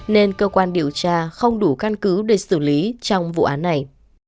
nên cơ quan điều tra không đủ căn cứ để xử lý trong vụ án này